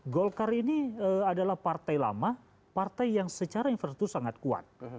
golkar ini adalah partai lama partai yang secara infrastruktur sangat kuat